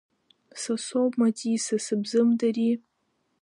Са соуп, Маҵиса, сыбзымдыри?